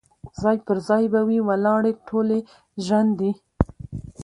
ځاي پر ځای به وي ولاړي ټولي ژرندي